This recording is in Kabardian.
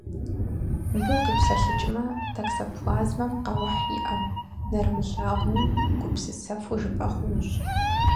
Мыбы укъипсэлъыкӏмэ, токсоплазмэм къаухь иӏэу, нэрымылъагъуми, гупсысэфу жыпӏэ хъунущ.